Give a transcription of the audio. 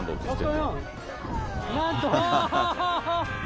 なんと。